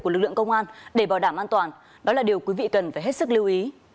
của lực lượng công an để bảo đảm an toàn đó là điều quý vị cần phải hết sức lưu ý